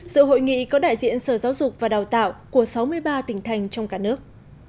sự hội nghị có đại diện sở giáo dục và đào tạo của sáu mươi ba tỉnh thành trong cả nước